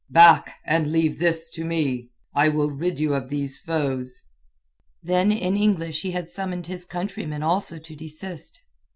"Back, and leave this to me. I will rid you of these foes." Then in English he had summoned his countrymen also to desist.